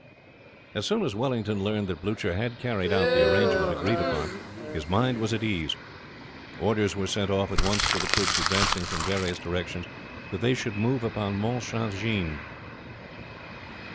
As soon as Wellington learned that Blucher had carried out the arrangement agreed upon his mind was at ease. Orders were sent off at once to the troops advancing from various directions that they should move upon Mount St. Jean.